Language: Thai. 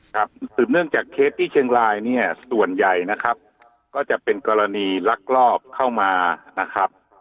สืบเนื่องจากเคสที่เชียงรายเนี่ยส่วนใหญ่นะครับก็จะเป็นกรณีลักลอบเข้ามานะครับ